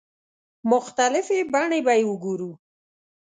مختلفې بڼې به یې وګورو.